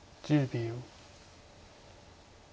１０秒。